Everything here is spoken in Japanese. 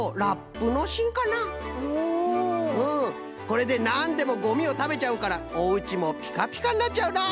これでなんでもごみを食べちゃうからおうちもピカピカになっちゃうな。